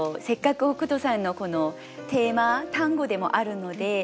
せっかく北斗さんのテーマ単語でもあるので。